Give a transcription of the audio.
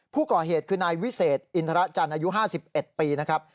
ผู้ก่อเหตุคือนายวิเศษอินทรจันทร์อายุ๕๑ปีนะครับ